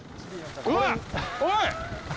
うわっおい！